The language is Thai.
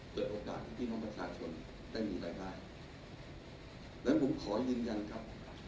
เปิดโอกาสให้พี่น้องประชาชนได้มีรายได้และผมขอยืนยันครับ